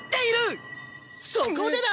そこでだ！